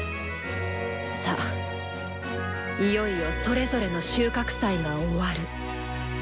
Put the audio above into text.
さあいよいよそれぞれの収穫祭が終わる。